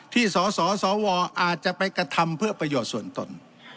ที่สสวอาจจะไปกระทำเพื่อประโยชน์ส่วนตน